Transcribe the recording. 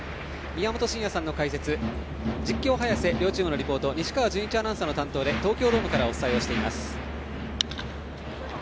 宮本慎也さんの解説実況、早瀬両チームのリポート西川順一アナウンサーの担当で東京ドームからお伝えをしています。